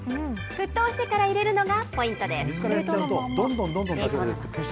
沸騰してから入れるのがポイントです。